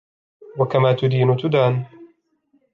وَكَمَا تَدِينُ تُدَانُ